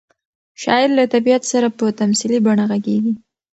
شاعر له طبیعت سره په تمثیلي بڼه غږېږي.